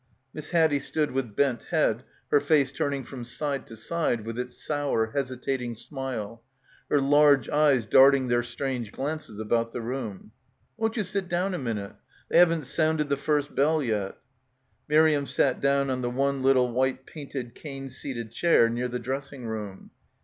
Miss Haddie stood with bent head, her face turning from side to side, with its sour hesitating smile, her large eyes darting their strange glances about the room. "Won't you sit down a minute ? They haven't sounded the first bell yet." Miriam sat down on •the one little white painted, cane seated chair near the dressing table.